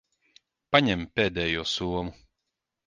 Paņem pēdējo somu.